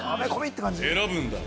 選ぶんだ。